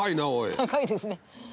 高いですね。